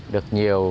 được nhiều văn hóa